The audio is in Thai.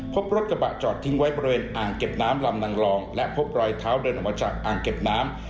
พบรถกระบะจอดทิ้งไว้บริเวณอ่างเก็บน้ำลำนางรองและพบรอยเท้าเดินออกมาจากอ่างเก็บน้ำ